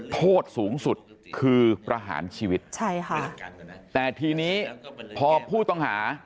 โทษสูงสุดคือประหารชีวิตใช่ค่ะแต่ทีนี้พอผู้ต้องหา